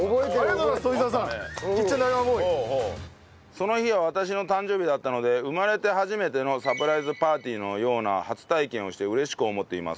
その日は私の誕生日だったので生まれて初めてのサプライズパーティーのような初体験をして嬉しく思っています。